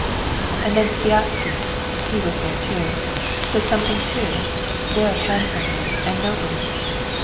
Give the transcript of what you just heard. And then Sviazhsky (he was there too) said something too, very handsomely and nobly.